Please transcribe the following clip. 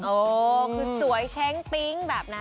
เออคือสวยเช้งปิ๊งแบบนั้น